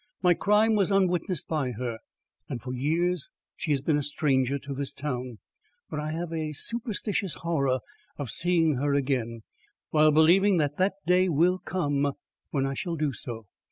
My crime was unwitnessed by her, and for years she has been a stranger to this town. But I have a superstitious horror of seeing her again, while believing that the day will come when I shall do so.